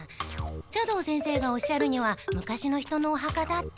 斜堂先生がおっしゃるには昔の人のおはかだって。